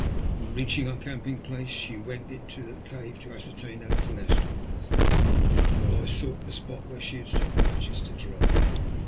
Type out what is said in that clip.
On reaching our camping place she went to the cave to ascertain how little Esther was, while I sought the spot where she had set the matches to dry.